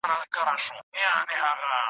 فکري وده د عمر له تیریدو سره بدلیږي.